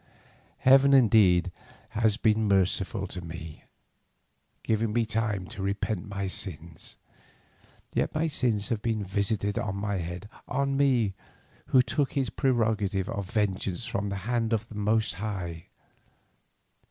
Heaven indeed has been merciful to me, giving me time to repent my sins; yet my sins have been visited on my head, on me who took His prerogative of vengeance from the hand of the Most High.